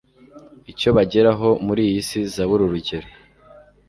icyo bageraho muri iyi si zaburi urugero